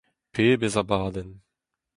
Pebezh abadenn !